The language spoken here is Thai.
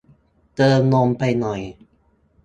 เติมนมไปหน่อย